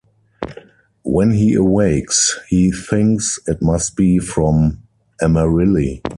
When he awakes, he thinks it must be from Amarilli.